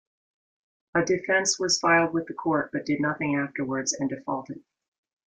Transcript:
A defence was filed with the Court but did nothing afterwards and defaulted.